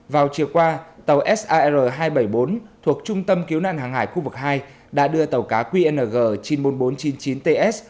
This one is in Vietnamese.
vào chiều qua tàu sir hai trăm bảy mươi bốn thuộc trung tâm cứu nạn hàng hải khu vực hai đã đưa tàu cá qng chín mươi một nghìn bốn trăm chín mươi chín ts